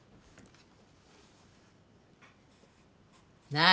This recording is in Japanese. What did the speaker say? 何？